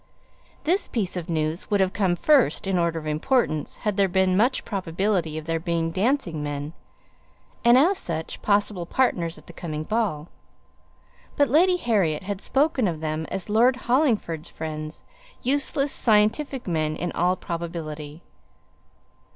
This piece of news would have come first in order of importance had there been much probability of their being dancing men, and, as such, possible partners at the coming ball. But Lady Harriet had spoken of them as Lord Hollingford's friends, useless scientific men in all probability.